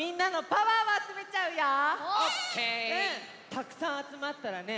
たくさんあつまったらね